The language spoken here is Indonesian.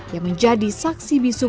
yang menjadi saksi bisu